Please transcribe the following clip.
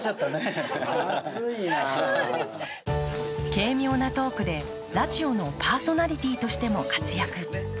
軽妙なトークでラジオのパーソナリティーとしても活躍。